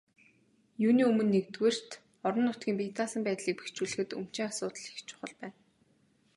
Юуны өмнө, нэгдүгээрт, орон нутгийн бие даасан байдлыг бэхжүүлэхэд өмчийн асуудал их чухал байна.